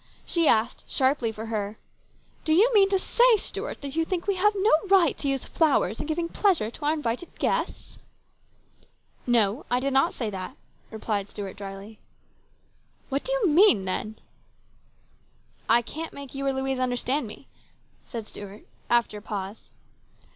She asked, sharply for her :" Do you mean to say, Stuart, that you think we have no right to use flowers in giving pleasure to our invited guests ?"" No ; I did not say that," replied Stuart drily. " What do you mean, then ?" PLANS GOOD AND BAD. 183 " I can't make you or Louise understand me," said Stuart after a pause.